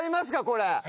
これ！